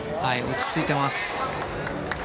落ち着いています。